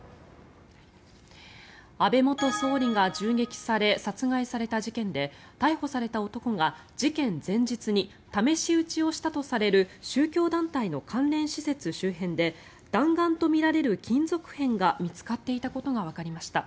安倍元総理が銃撃され殺害された事件で逮捕された男が事件前日に試し撃ちをしたとされる宗教団体の関連施設周辺で弾丸とみられる金属片が見つかっていたことがわかりました。